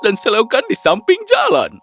dan selaukan di samping jalan